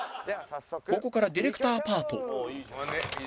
ここからディレクターパート